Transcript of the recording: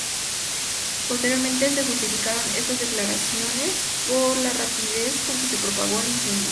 Posteriormente, se justificaron estas declaraciones por la rapidez con que se propagó el incendio.